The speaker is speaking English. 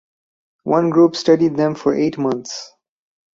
One group studied them for eight months.